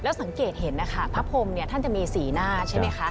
แล้วสังเกตเห็นนะคะพระพรหมท่านจะมีสีหน้าใช่ไหมคะ